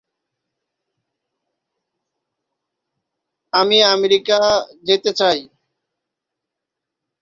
এছাড়াও, দেশের অন্যতম শীর্ষস্থানীয় স্পিনারদের একজন ছিলেন।